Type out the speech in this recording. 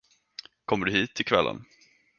Kommer du hit till kvällen?